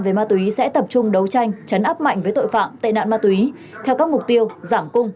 về ma túy sẽ tập trung đấu tranh chấn áp mạnh với tội phạm tệ nạn ma túy theo các mục tiêu giảm cung